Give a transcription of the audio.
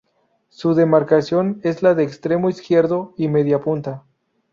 Su demarcación es la de extremo izquierdo, y mediapunta.